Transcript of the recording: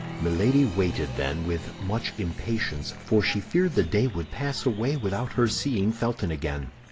Milady waited, then, with much impatience, for she feared the day would pass away without her seeing Felton again.